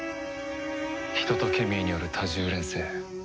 人とケミーによる多重錬成。